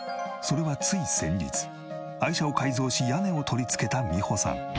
それはつい先日愛車を改造し屋根を取り付けたみほさん。